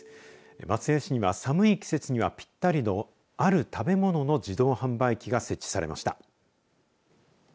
松江市には寒い季節にはぴったりのある食べ物の自動販売機が設置されました。